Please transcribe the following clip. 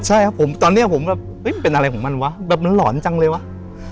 ใช่ครับผมตอนนี้ผมก็เป็นอะไรของมันวะแบบมันหลอนจังเลยวะ